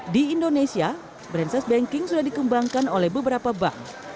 di indonesia branchess banking sudah dikembangkan oleh beberapa bank